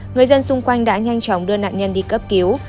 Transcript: người dân xung quanh đã nhanh chóng đưa nạn nhân đi cấp cứu